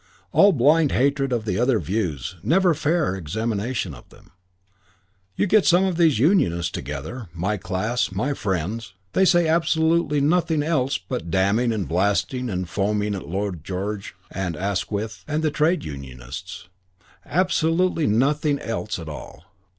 All blind hatred of the other views, never fair examination of them. You get some of these Unionists together, my class, my friends. They say absolutely nothing else but damning and blasting and foaming at Lloyd George and Asquith and the trade unionists. Absolutely nothing else at all.